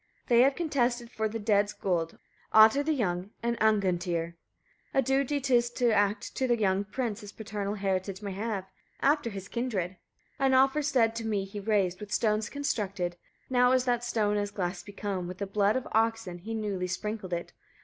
They have contested for the dead's gold, Ottar the young and Angantyr. 10. A duty 'tis to act so that the young prince his paternal heritage may have, after his kindred. 11. An offer stead to me he raised, with stones constructed; now is that stone as glass become. With the blood of oxen he newly sprinkled it.